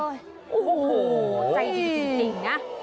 ใจจริง